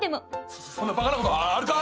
そそそんなバカなことあるか！